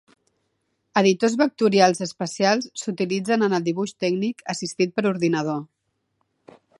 Editors vectorials especials s'utilitzen en el dibuix tècnic assistit per ordinador.